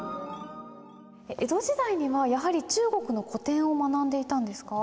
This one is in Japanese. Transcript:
江戸時代にはやはり中国の古典を学んでいたんですか？